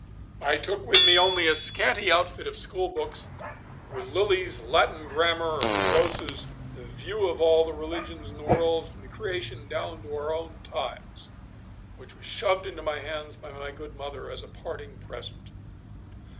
I took with me only a scanty outfit of schoolbooks, with Lilly's 'Latin Grammar,' and Rosse's 'View of all the Religions in the World from the Creation down to our own Times,' which was shoved into my hands by my good mother as a parting present.